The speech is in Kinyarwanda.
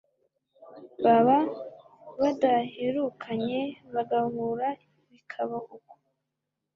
baba badaherukanye bagahura bikaba uko,